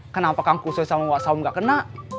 kenapa kang kusoi sama mbak saum gak kena